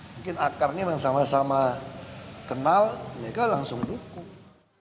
mungkin akarnya memang sama sama kenal mereka langsung dukung